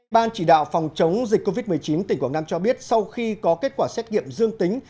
ban chỉ đạo phòng chống dịch covid một mươi chín tỉnh quảng nam cho biết sau khi có kết quả xét nghiệm dương tính